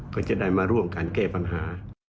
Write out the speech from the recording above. ก็จะได้มาร่วมกันแก้ปัญหา